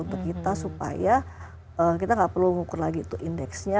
untuk kita supaya kita nggak perlu ngukur lagi itu indeksnya